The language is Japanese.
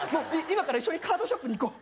今から一緒にカードショップに行こう。